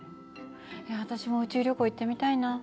私も宇宙旅行行ってみたいな。